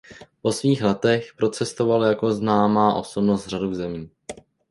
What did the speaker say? Po svých letech procestoval jako známá osobnost řadu zemí.